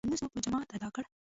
لمونځ مو په جماعت ادا کړ.